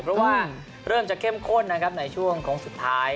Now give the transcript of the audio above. เพราะว่าเริ่มจะเข้มข้นในช่วงของสุดท้าย